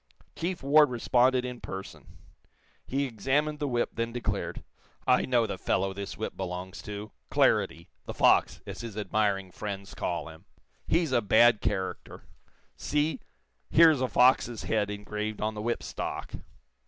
Chief Ward responded in person. He examined the whip, then declared: "I know the fellow this whip belongs to Claridy, 'the fox,' as his admiring friends call him. He's a bad character. See; here is a fox's head engraved on the whip stock.